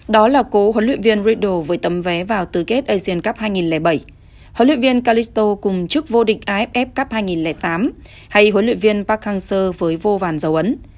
đó là cố huấn luyện viên ridodo với tấm vé vào tứ kết asian cup hai nghìn bảy huấn luyện viên calisto cùng chức vô địch aff cup hai nghìn tám hay huấn luyện viên park hang seo với vô vàn dấu ấn